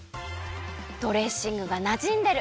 ドレッシングがなじんでる。